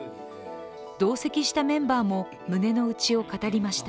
同席したメンバーも胸の内を語りました。